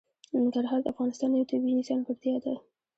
ننګرهار د افغانستان یوه طبیعي ځانګړتیا ده.